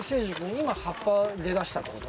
今葉っぱは出だしたってこと？